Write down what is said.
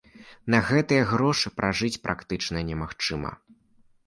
На гэтыя грошы пражыць практычна немагчыма.